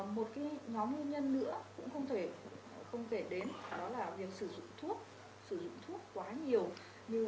một cái nhóm nguyên nhân nữa cũng không thể đến đó là việc sử dụng thuốc sử dụng thuốc quá nhiều